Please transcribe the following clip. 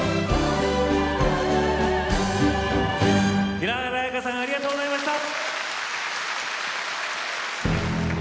平原綾香さんありがとうございました。